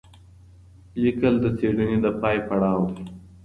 لیکل د څېړني د پای پړاو دی.